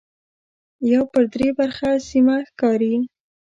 یو پر درې برخه سیمه ښکاري.